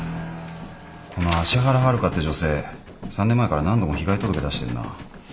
この芦原遥香って女性３年前から何度も被害届出してんな。